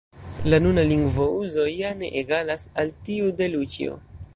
La nuna lingvouzo ja ne egalas al tiu de Luĉjo.